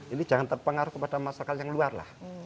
ini jangan terpengaruh kepada masyarakat yang luar lah